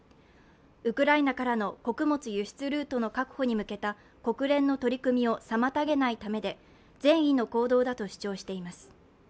ウクライナからの穀物輸出ルートの確保に向けた国連の取り組みを妨げないためで、善意の行動だと主張しています。